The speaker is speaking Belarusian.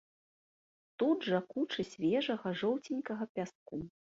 Тут жа кучы свежага жоўценькага пяску.